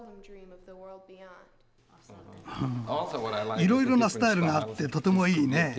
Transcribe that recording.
いろいろなスタイルがあってとてもいいね。